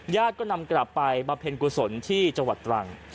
ก็นำกลับไปบำเพ็ญกุศลที่จังหวัดตรัง